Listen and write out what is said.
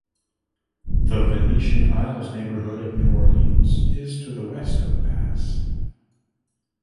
The Venetian Isles neighborhood of New Orleans is to the west of the pass.